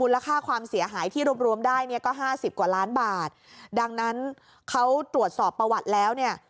ราคาความเสียหายที่รวบรวมได้เนี่ยก็ห้าสิบกว่าล้านบาทดังนั้นเขาตรวจสอบประวัติแล้วเนี่ย